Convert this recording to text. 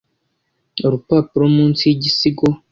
Urupapuro munsi yigisigo